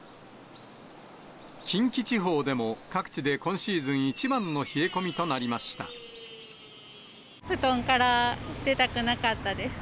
近畿地方でも、各地で今シー布団から出たくなかったです。